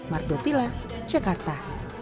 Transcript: mark dautila jakarta